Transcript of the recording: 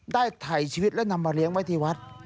ถ่ายชีวิตและนำมาเลี้ยงไว้ที่วัด